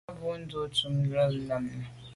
A bwô ndù o tum dù’ z’o lem nà.